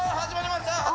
始まりました！